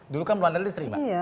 dulu kan meluandali diterima